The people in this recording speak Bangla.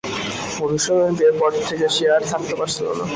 মধুসূদনের বিয়ের পর থেকে সে আর থাকতে পারছিল না।